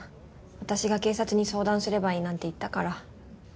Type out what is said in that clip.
私が警察に相談すればいいなんて言ったから。